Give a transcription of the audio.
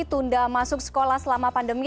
tunda masuk sekolah selama pandemi